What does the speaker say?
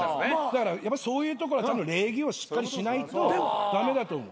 やっぱそういうところはちゃんと礼儀しっかりしないと駄目だと思う。